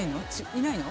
いないの？